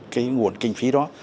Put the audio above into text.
cái nguồn kinh phí đó